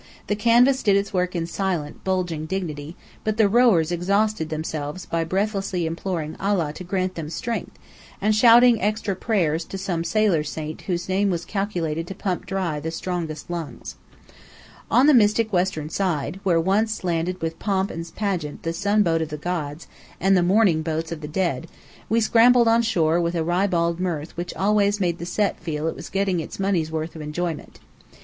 The canvas did its work in silent, bulging dignity; but the rowers exhausted themselves by breathlessly imploring Allah to grant them strength, and shouting extra prayers to some sailor saint whose name was calculated to pump dry the strongest lungs. On the mystic western side, where once landed with pomp and pageant the sun boat of the gods, and the mourning boats of the dead, we scrambled on shore with that ribald mirth which always made the Set feel it was getting its money's worth of enjoyment.